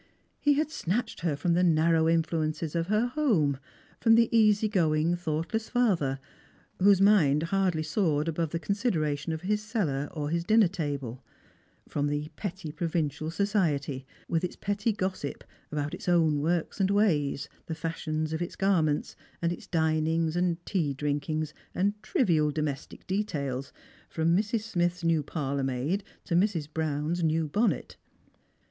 He had snatched her from the narrow influences of her home ; from the easy going thoughtless father, whose mind hardly soared above the consideration of his cellar or his dinner table ; from the petty provincial society, with its petty gossip about its own works and ways, the fashion of its garments, and its dinings and tea drinkings and trivial domestic details, from Mrs. Smith's new parlour maid to Mrs. Brown's new bonnet.